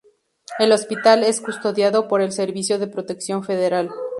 El hospital es custodiado por el Servicio de Protección Federal.